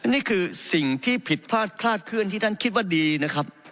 นี่คือสิ่งที่ผิดพลาดคลาดเคลื่อนที่ท่านคิดว่าดีนะครับ